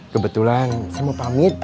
kebetulan saya mau pamit